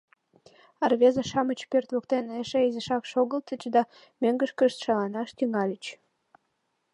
А рвезе-шамыч пӧрт воктене эше изишак шогылтыч да мӧҥгышкышт шаланаш тӱҥальыч.